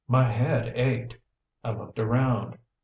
My head ached. I looked around.